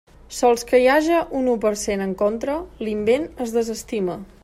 Sols que hi haja un u per cent en contra, l'invent es desestima.